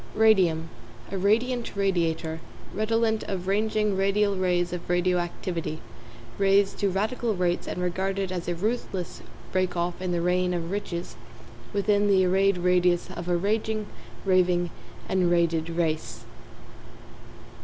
=RADIUM= A radiant radiator, redolent of ranging radial rays of radio activity, raised to radical rates and regarded as a ruthless rake off in the reign of riches within the arrayed radius of a raging, raving and raided race.